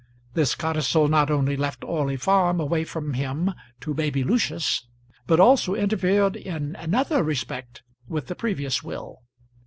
This codicil not only left Orley Farm away from him to baby Lucius, but also interfered in another respect with the previous will.